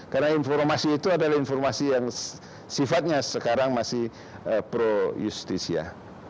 karena informasi itu adalah informasi yang sifatnya sekarang masih pro justisia